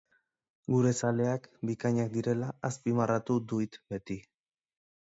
Gure zaleak bikainak direla azpimarratu duit beti.